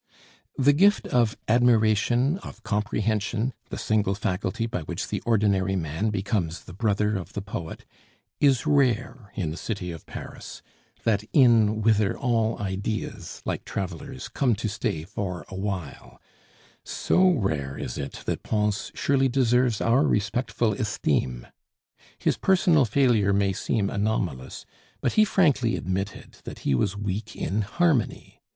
The gift of admiration, of comprehension, the single faculty by which the ordinary man becomes the brother of the poet, is rare in the city of Paris, that inn whither all ideas, like travelers, come to stay for awhile; so rare is it, that Pons surely deserves our respectful esteem. His personal failure may seem anomalous, but he frankly admitted that he was weak in harmony.